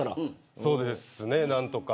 そうですね、何とか。